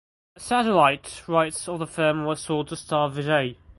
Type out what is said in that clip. The satellite rights of the film were sold to Star Vijay.